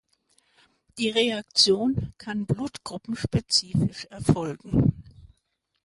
Die Reaktion kann Blutgruppen-spezifisch erfolgen.